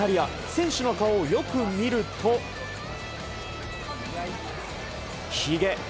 選手の顔をよく見るとひげ。